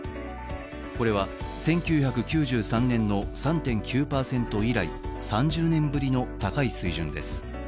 これは１９９３年の３．９％以来３０年ぶりの高い水準です。